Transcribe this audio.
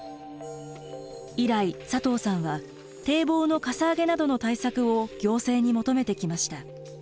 以来佐藤さんは堤防のかさ上げなどの対策を行政に求めてきました。